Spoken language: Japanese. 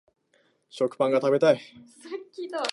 食パンが食べたい